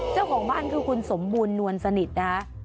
เจ้าของบ้านคือคุณสมบูรณ์นวลสนิทนะคะ